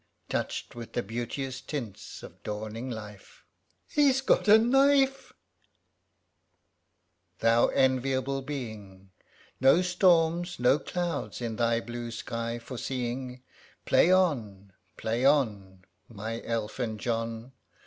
Touch'd with the beauteous tints of dawning life ŌĆö (He's got a knife !) Thou enviable being ! No storms, no clouds, in thy blue sky foreseeing. Play on, play on, My elfin John